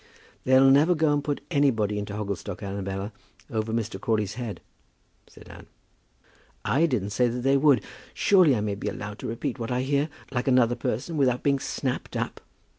"They'll never go and put anybody into Hogglestock, Annabella, over Mr. Crawley's head," said Anne. "I didn't say that they would. Surely I may be allowed to repeat what I hear, like another person, without being snapped up."